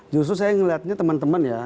justru saya melihatnya teman teman ya